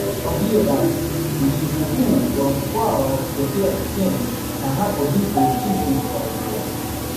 Kwa hiyo basi uchifu huu wa mkwawa ulitoka kikeni na hapo ndipo uchifu ulipoanzia